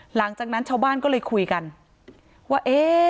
หลังจากนั้นชาวบ้านก็เลยคุยกันว่าเอ๊ะ